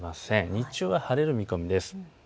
日中は晴れる見込みです。